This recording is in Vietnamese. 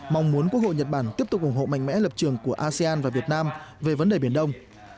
mong muốn quốc hội nhật bản tiếp tục ủng hộ mạnh mẽ lập trường của asean và việt nam về vấn đề biển đông